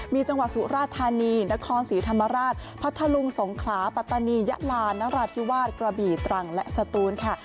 มีจังหวัดสุราธานีนครศรีธรรมราชพัทธลุงสงขลาปัตตานียะลานราธิวาสกระบี่ตรังและสตูนค่ะ